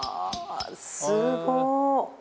すごっ